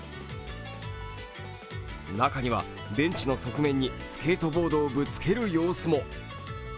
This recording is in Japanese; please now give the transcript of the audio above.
中には、ベンチの側面にスケートボードをぶつける様子も。